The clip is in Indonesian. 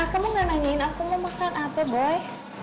ah kamu gak nanyain aku mau makan apa boy